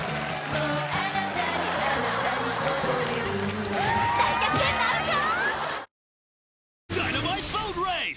もうあなたにあなたにおぼれる大逆転なるか！？